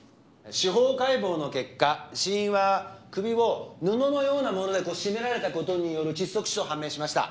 司法解剖の結果死因は首を布のような物でしめられた事による窒息死と判明しました。